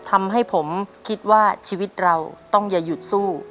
ทำให้ผมคิดว่าชีวิตเราต้องอย่าหยุดสู้